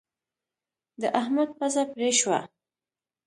د احمد پزه پرې شوه.